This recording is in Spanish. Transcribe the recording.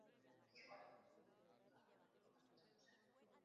Se le elige a continuación de diputado en Bruma en los Altos Alpes.